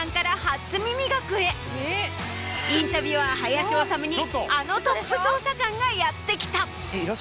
「インタビュアー林修」にあのトップ捜査官がやって来た。